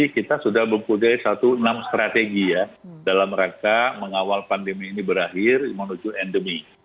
kita sudah mempunyai satu enam strategi ya dalam rangka mengawal pandemi ini berakhir menuju endemi